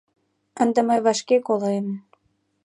Ынде мый вашке колем;